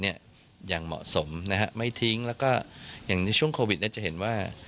อย่างเหมาะสมนะฮะไม่ทิ้งแล้วก็อย่างในช่วงโควิดเนี่ยจะเห็นว่า